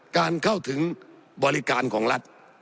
เข้าถึงบริการของรัฐ